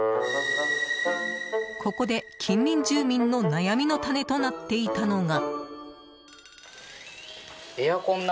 ここで、近隣住民の悩みの種となっていたのが。